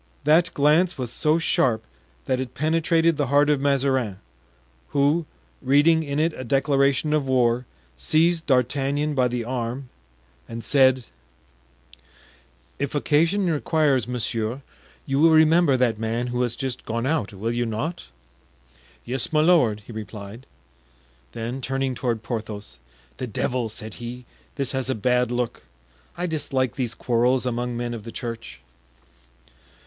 That glance was so sharp that it penetrated the heart of Mazarin, who, reading in it a declaration of war, seized D'Artagnan by the arm and said: "If occasion requires, monsieur, you will remember that man who has just gone out, will you not?" "Yes, my lord," he replied. Then, turning toward Porthos, "The devil!" said he, "this has a bad look. I dislike these quarrels among men of the church."